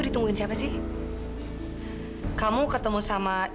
hubungi aku kapanpun kamu mau